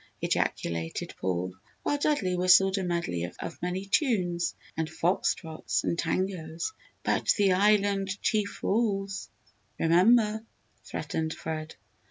ejaculated Paul, while Dudley whistled a medley of many tunes and fox trots and tangos. "But the Island Chief rules! Remember!" threatened Fred.